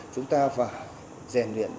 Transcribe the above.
chúng ta phải rèn luyện